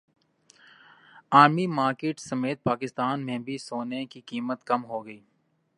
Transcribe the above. عالمی مارکیٹ سمیت پاکستان میں بھی سونے کی قیمت کم ہوگئی